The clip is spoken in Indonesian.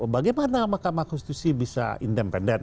bagaimana mahkamah konstitusi bisa independen